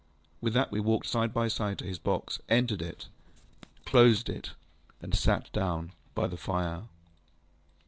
ŌĆØ With that we walked side by side to his box, entered it, closed the door, and sat down by the fire.